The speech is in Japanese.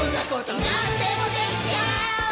「なんでもできちゃう」